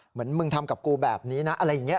เหมือนมึงทำกับกูแบบนี้นะอะไรอย่างนี้